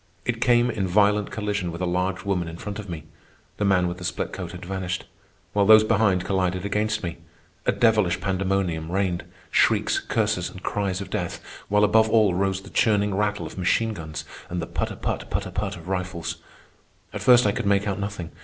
I came in violent collision with a large woman in front of me (the man with the split coat had vanished), while those behind collided against me. A devilish pandemonium reigned,—shrieks, curses, and cries of death, while above all rose the churning rattle of machine guns and the put a put, put a put of rifles. At first I could make out nothing.